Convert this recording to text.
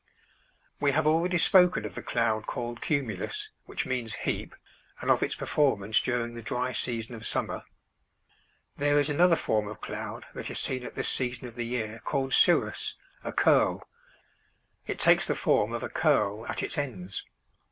We have already spoken of the cloud called cumulus (which means heap) and of its performance during the dry season of summer. There is another form of cloud that is seen at this season of the year called cirrus (a curl). It takes the form of a curl at its ends.